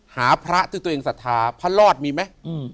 หาพระที่ตัวเองศรัทธาพระรอดมีไหม